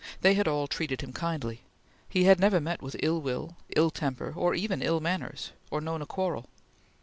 They had all treated him kindly; he had never met with ill will, ill temper, or even ill manners, or known a quarrel.